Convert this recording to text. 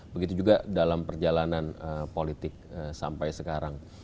begitu juga dalam perjalanan politik sampai sekarang